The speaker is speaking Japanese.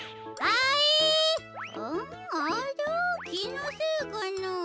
きのせいかのぅ？